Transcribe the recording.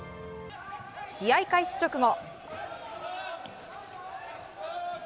試合開始直後。